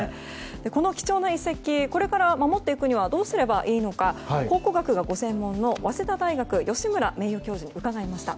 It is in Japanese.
この貴重な遺跡をこれから守っていくにはどうすればいいのか考古学がご専門の早稲田大学吉村名誉教授に伺いました。